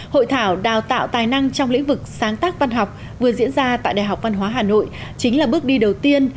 hội thảo đào tạo tài năng trong lĩnh vực sáng tác văn học vừa diễn ra tại đại học văn hóa hà nội chính là bước đi đầu tiên